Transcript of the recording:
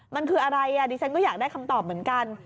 มันคืออะไรดิฉันก็อยากได้คำตอบเหมือนกัน